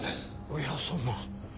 いやそんな。